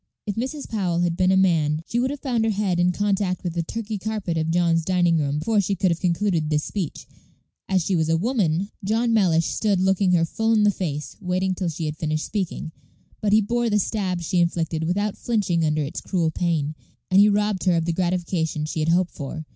If Mrs. Powell had been a man, she would have found her head in contact with the Turkey carpet of John's dining room before she could have concluded this speech; as she was a woman, John Mellish stood looking her full in the face, waiting till she had finished speaking. But he bore the stab she inflicted without flinching under its cruel pain, and he robbed her of the gratification she had hoped for.